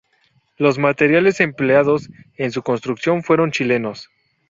Los materiales empleados en su construcción fueron chilenos.